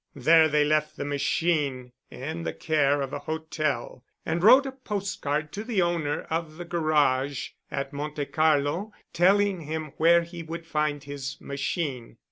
There they left the machine in the care of a hotel and wrote a postcard to the owner of the garage at Monte Carlo, telling him where he would find his machine.